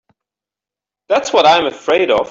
That's what I'm afraid of.